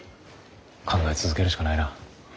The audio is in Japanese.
考え続けるしかないな。